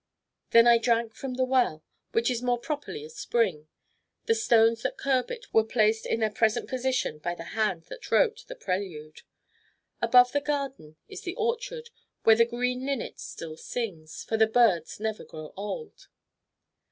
Then I drank from "the well," which is more properly a spring; the stones that curb it were placed in their present position by the hand that wrote "The Prelude." Above the garden is the orchard, where the green linnet still sings, for the birds never grow old.